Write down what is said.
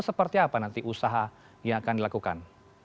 seperti apa nanti usaha yang akan dilakukan